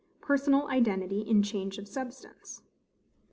Personal Identity in Change of Substance.